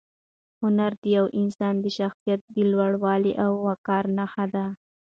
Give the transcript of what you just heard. هنر د یو انسان د شخصیت د لوړوالي او وقار نښه ده.